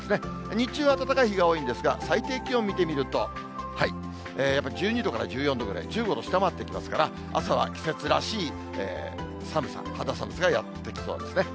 日中は暖かい日が多いんですが、最低気温見てみると、やっぱ１２度から１４度ぐらい、１５度下回ってきますから、朝は季節らしい寒さ、肌寒さがやって来そうですね。